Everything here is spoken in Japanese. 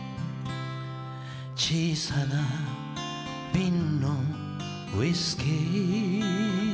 「小さな瓶のウィスキィ」